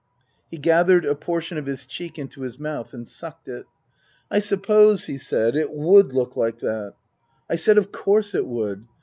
He gathered a portion of his cheek into his mouth and sucked it. " I suppose," he said, " it would look like that." I said of course it would.